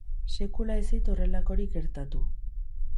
Sekula ez zait horrelakorik gertatu.